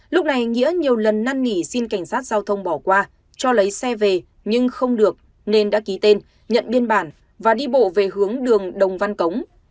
lúc này nghĩa nhiều lần năn nỉ xin cảnh sát giao thông bỏ qua cho lấy xe về nhưng không được nên đã ký tên nhận biên bản và đi bộ về hướng đường đồng văn cống